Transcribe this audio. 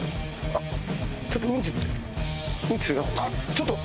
ああちょっと！